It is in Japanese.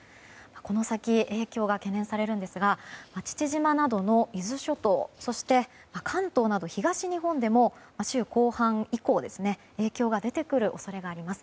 この先影響が懸念されるんですが父島などの伊豆諸島そして、関東など東日本でも週後半以降影響が出てくる恐れがあります。